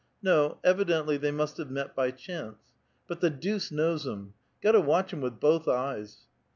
No, evidently they must have met by chance. But the deuce knows 'em ! Got to watch 'em with both eyes.")